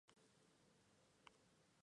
Realiza autorretratos.